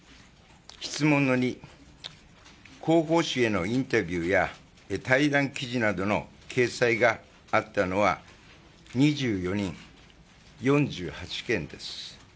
質問の２、広報誌へのインタビューや対談記事などの掲載があったのは２４人、４８件です。